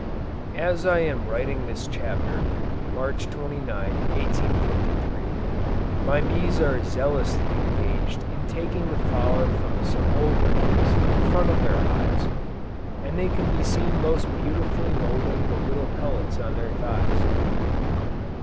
As I am writing this chapter, (March 29, 1853,) my bees are zealously engaged in taking the flour from some old combs in front of their hives, and they can be seen most beautifully moulding the little pellets on their thighs.